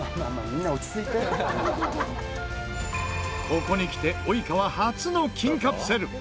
ここにきて及川初の金カプセル。